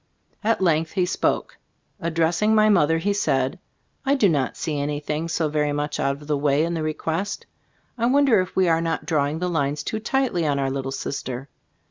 At length he spoke. Addressing my mother, he said: "I do not see anything so very much out of the way in the request. I wonder if we are not drawing the lines too tightly on our little sister?